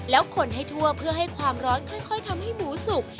แล้วคนให้ทั่วเพื่อให้ความร้อนค่อยทำให้หมูสุก